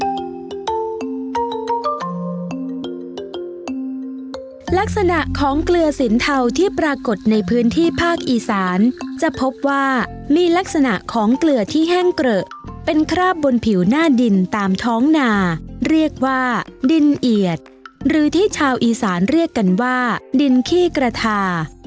ลักษณะของเกลือสินเทาที่ปรากฏในพื้นที่ภาคอีสานจะพบว่ามีลักษณะของเกลือที่แห้งเกลอะเป็นคราบบนผิวหน้าดินตามท้องนาเรียกว่าดินเอียดหรือที่ชาวอีสานเรียกกันว่าดินขี้กระทา